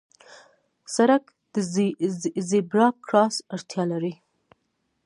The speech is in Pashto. سړک د زېبرا کراس اړتیا لري.